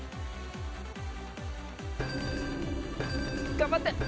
頑張って。